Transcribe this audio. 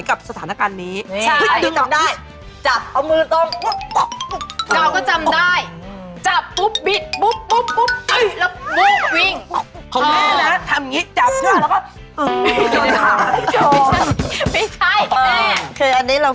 ใช่จริงแล้วต้องบอกว่า